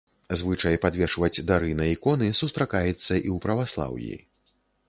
Звычай падвешваць дары на іконы сустракаецца і ў праваслаўі.